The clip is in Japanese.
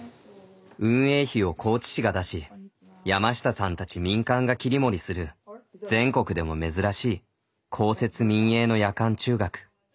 運営費を高知市が出し山下さんたち民間が切り盛りする全国でも珍しい公設民営の夜間中学。